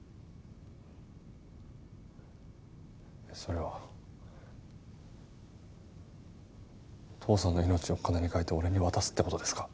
それは父さんの命を金に換えて俺に渡すって事ですか？